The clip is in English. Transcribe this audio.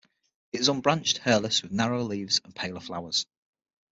It is unbranched, hairless, with narrower leaves and paler flowers.